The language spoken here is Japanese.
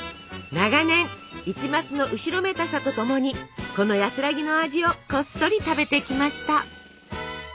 長年一抹の後ろめたさとともにこの安らぎの味をこっそり食べてきました。